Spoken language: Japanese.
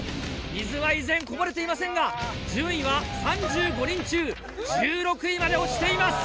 水は依然こぼれていませんが順位は３５人中１６位まで落ちています。